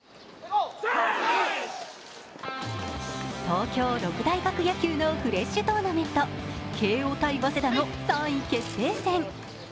東京六大学野球のフレッシュトーナメント慶応×早稲田の３位決定戦。